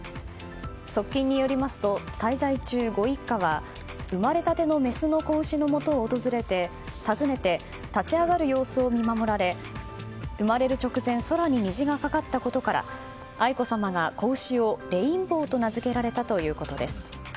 側近によりますと滞在中ご一家は生まれたてのメスの子牛のもとを訪ねて立ち上がる様子を見守られ生まれる直前空に虹がかかったことから愛子さまが子牛をレインボーと名付けられたということです。